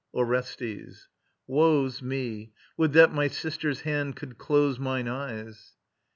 ORESTES. Woe's me! Would that my sister's hand could close mine eyes!